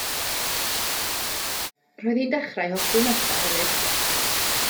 Roedd hi'n dechrau hoffi Martha hefyd.